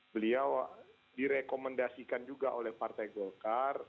beliau direkomendasikan juga oleh partai golkar